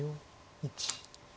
１。